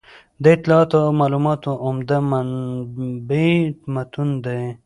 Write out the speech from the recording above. د اطلاعاتو او معلوماتو عمده منبع متون دي.